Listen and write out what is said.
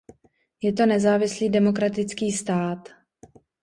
Je to nezávislý demokratický stát.